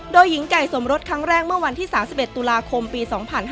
โดยหญิงไก่สมรสครั้งแรกเมื่อวันที่๓๑ตุลาคมปี๒๕๕๙